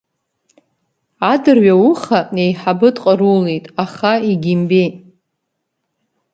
Адырҩауха еиҳабы дҟарулит, аха егьимбеит.